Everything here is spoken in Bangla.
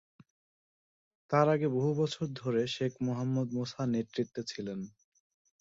তার আগে, বহু বছর ধরে শেখ মোহাম্মদ মুসা নেতৃত্বে ছিলেন।